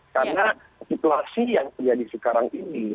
karena situasi yang terjadi sekarang ini